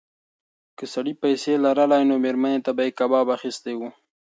که سړي پیسې لرلای نو مېرمنې ته به یې کباب اخیستی و.